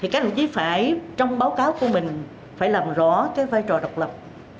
các đồng chí phải trong báo cáo của mình phải làm rõ vai trò độc lập